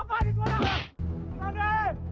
apaan itu orang kelan ya